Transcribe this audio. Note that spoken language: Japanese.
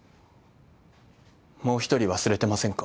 もう一人忘れてませんか？